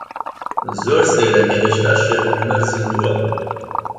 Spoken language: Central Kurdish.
زۆر سەیرە کە هێشتا شێخ عومەر زیندووە.